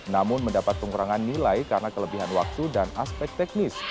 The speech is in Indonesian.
namun mendapat pengurangan nilai karena kelebihan waktu dan aspek teknis